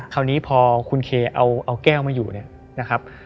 คราวนี้พอคุณเคเอาแก้วมาอยู่เนี่ยนะครับ